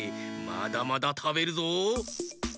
まだまだたべるぞ！